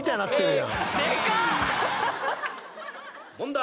問題。